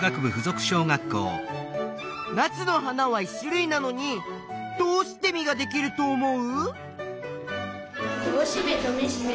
ナスの花は１種類なのにどうして実ができると思う？